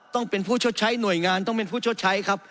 ต้องเป็นผู้ชดใช้หน่วยงานต้องเป็นผู้ชดใช้ครับ